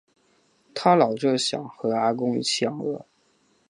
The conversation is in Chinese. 她老著想和阿公一起养鹅